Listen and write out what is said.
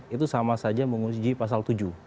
itu sama saja menguji pasal tujuh